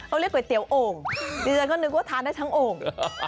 เขาเรียกก๋วยเตี๋ยวโอ่งดิฉันก็นึกว่าทานได้ทั้งโอ่ง